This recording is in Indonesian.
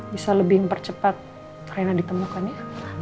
bisa lebih mempercepat raina ditemukan ya